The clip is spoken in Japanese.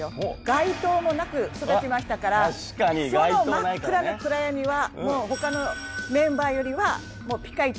街灯もなく育ちましたから確かに街灯ないからねその真っ暗な暗闇はもう他のメンバーよりはもうピカイチです